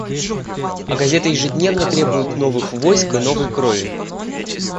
А газеты ежедневно требуют новых войск и новой крови.